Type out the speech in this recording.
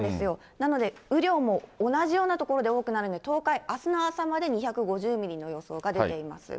なので雨量も同じような所で多くなるんで、東海、あすの朝まで２５０ミリの予想が出ています。